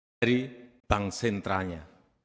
dari bank sentranya